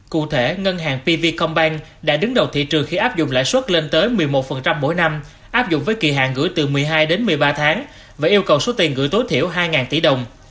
cụ thể ngân hàng pv combank đã đứng đầu thị trường khi áp dụng lãi suất lên tới một mươi một mỗi năm áp dụng với kỳ hạn gửi từ một mươi hai đến một mươi ba tháng và yêu cầu số tiền gửi tối thiểu hai tỷ đồng